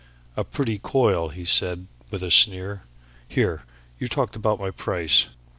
"A pretty coil!" he said with a sneer. "Here! You talked about my price.